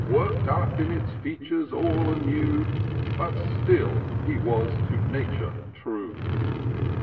Work'd up its features all anew — But still he was to Nature true